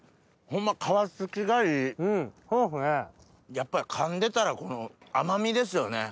やっぱり噛んでたらこの甘みですよね。